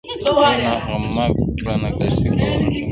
یو نغمه ګره نقاسي کوومه ښه کوومه-